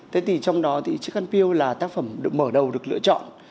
thế thì trong đó thì chiếc khăn piêu là tác phẩm mở đầu được lựa chọn